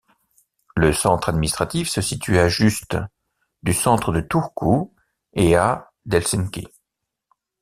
Le centre administratif se situe à juste du centre de Turku, et à d'Helsinki.